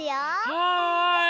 はい。